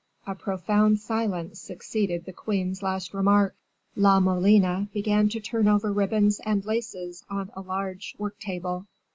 A profound silence succeeded the queen's last remark. La Molina began to turn over ribbons and laces on a large work table.